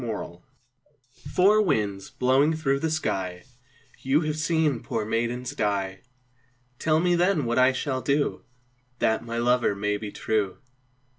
Four Winds "Four winds blowing through the sky, You have seen poor maidens die, Tell me then what I shall do That my lover may be true."